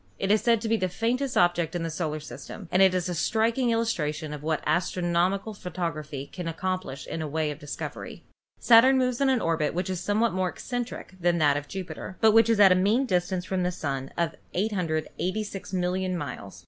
It is said to be the faintest object in the solar system, and is a striking illustration of what astronomical photography can accomplish in the way of discovery. Saturn moves in an orbit which is somewhat more ec centric than that of Jupiter, but which is at a mean dis tance from the Sun of 886,000,000 miles.